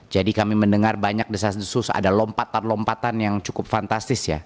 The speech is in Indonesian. jadi kami mendengar banyak desa desus ada lompatan lompatan yang cukup fantastis ya